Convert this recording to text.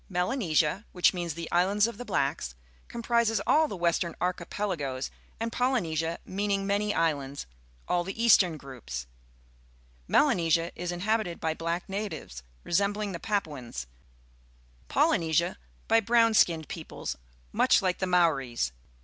Melanesia, which means the "islands of the blacks," comprises all the western archi pelagos, and Polynesia, meaning "many islands," all the eastern groups. Melanesia is inhabited by black natives, re.sembling 248 PUBLIC SCHOOL GEOGRAPHY the Papuans; Polynesia, by brown skinned peoples much like the Maoris.